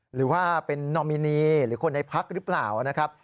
หรือว่าเป็นนอมินีหรือคนในพักหรือเปล่านะครับ